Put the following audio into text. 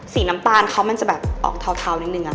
สีน้ำตาลเขามันจะแบบออกเทานิดนึง